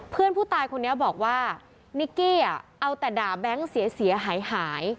เพื่อนผู้ตายคนนี้บอกว่านิกกี้เอาแต่ด่าแบงค์เสียหาย